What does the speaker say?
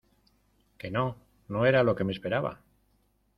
que no, no era lo que me esperaba.